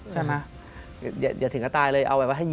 ใช่ไหม